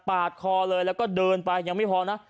คอเลยแล้วก็เดินไปยังไม่พอนะ